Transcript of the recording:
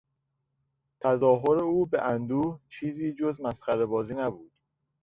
تظاهر او به اندوه، چیزی جز مسخرهبازی نبود.